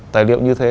tài liệu như thế